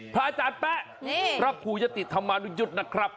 พระอาจารย์แป๊ะรับภูยติธรรมนุยุทธ์นะครับ